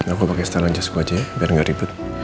aku pake setelan jas gue aja ya biar gak ribet